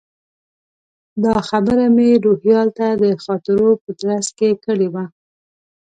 دا خبره مې روهیال ته د خاطرو په ترڅ کې کړې وه.